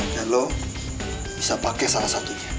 dan lo bisa pake salah satunya